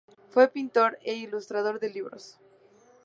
Fue pintor e ilustrador de libros.